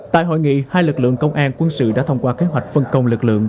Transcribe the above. tại hội nghị hai lực lượng công an quân sự đã thông qua kế hoạch phân công lực lượng